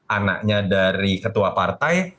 anaknya dari ketua partai